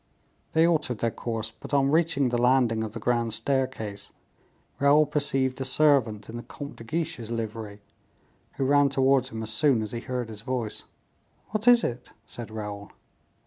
They altered their course, but on reaching the landing of the grand staircase, Raoul perceived a servant in the Comte de Guiche's livery, who ran towards him as soon as he heard his voice. "What is it?" said Raoul.